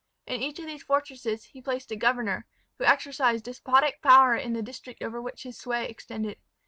In each of these fortresses he placed a governor, who exercised despotic power in the district over which his sway extended.